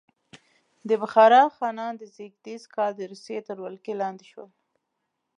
د بخارا خانان په زېږدیز کال د روسیې تر ولکې لاندې شول.